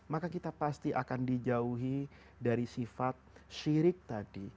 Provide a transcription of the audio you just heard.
maka kita pasti akan dijauhi dari sifat syirik tadi